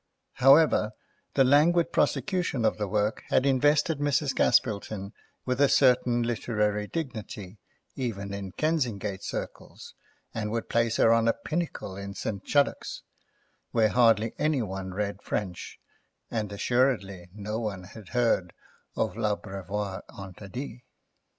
However, the languid prosecution of the work had invested Mrs. Gaspilton with a certain literary dignity, even in Kensingate circles, and would place her on a pinnacle in St. Chuddocks, where hardly any one read French, and assuredly no one had heard of L'Abreuvoir interdit.